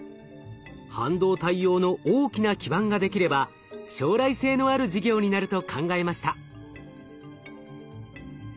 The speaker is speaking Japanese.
半導体用の大きな基板が出来れば将来性のある事業になると考えました。